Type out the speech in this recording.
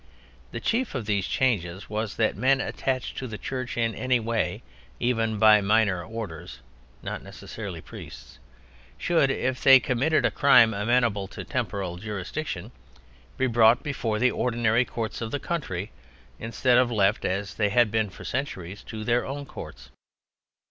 The chief of these changes was that men attached to the Church in any way even by minor orders (not necessarily priests) should, if they committed a crime amenable to temporal jurisdiction, be brought before the ordinary courts of the country instead of left, as they had been for centuries, to their own courts.